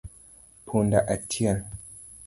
Punda achiel